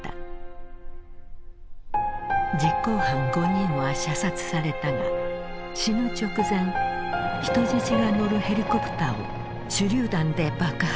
実行犯５人は射殺されたが死ぬ直前人質が乗るヘリコプターを手榴弾で爆破した。